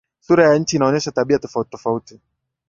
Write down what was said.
Sura ya nchi inaonyesha tabia tofauti tofauti